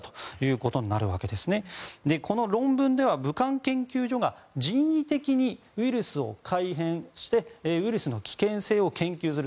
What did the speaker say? この論文では武漢研究所が人為的にウイルスを改変してウイルスの危険性を研究する。